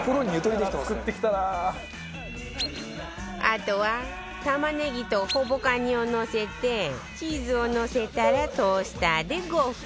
あとは玉ねぎとほぼカニをのせてチーズをのせたらトースターで５分